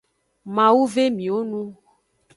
Mawu ve miwo nu.